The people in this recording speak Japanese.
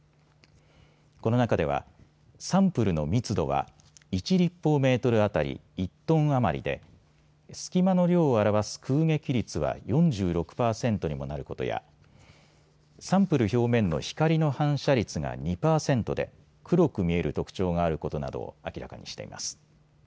この中ではサンプルの密度は１立方メートル当たり１トン余りで隙間の量を表す空隙率は４６％にもなることやサンプル表面の光の反射率が２％で黒く見える特徴があることなどを明らかにしています。